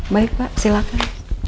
baik pak silahkan